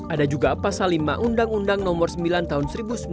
ada juga pasal lima undang undang nomor sembilan tahun seribu sembilan ratus sembilan puluh